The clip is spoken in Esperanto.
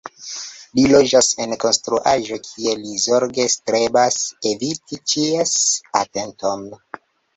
Li loĝas en konstruaĵo kie li zorge strebas eviti ĉies atenton.